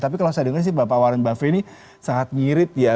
tapi kalau saya dengar sih bapak warren buffett ini sangat nyirit ya